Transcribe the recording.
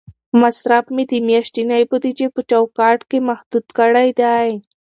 مصرف مې د میاشتنۍ بودیجې په چوکاټ کې محدود کړی دی.